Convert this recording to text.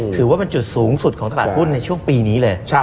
ถือว่าเป็นจุดสูงสุดของตลาดหุ้นในช่วงปีนี้เลย